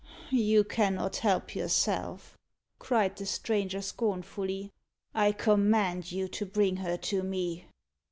"You cannot help yourself," cried the stranger scornfully. "I command you to bring her to me."